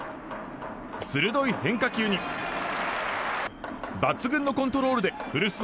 鋭い変化球に抜群のコントロールで古巣